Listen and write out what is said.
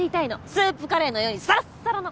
スープカレーのようにサラッサラの。